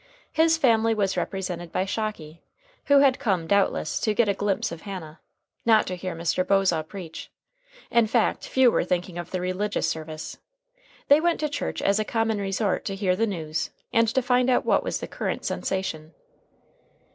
His family was represented by Shocky, who had come, doubtless, to get a glimpse of Hannah, not to hear Mr. Bosaw preach. In fact, few were thinking of the religious service. They went to church as a common resort to hear the news, and to find out what was the current sensation.